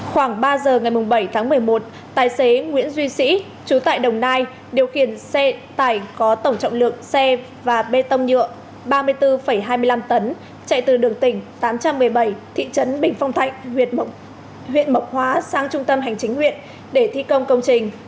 khoảng ba giờ ngày bảy tháng một mươi một tài xế nguyễn duy sĩ chú tại đồng nai điều khiển xe tải có tổng trọng lượng xe và bê tông nhựa ba mươi bốn hai mươi năm tấn chạy từ đường tỉnh tám trăm một mươi bảy thị trấn bình phong thạnh huyện mộc hóa sang trung tâm hành chính huyện để thi công công trình